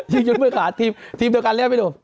ยิงจนเมื่อยขาทีมโดยการเรียกไม่รู้